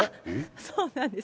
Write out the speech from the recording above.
そうなんです。